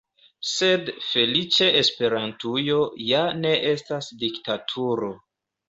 Sed feliĉe Esperantujo ja ne estas diktaturo.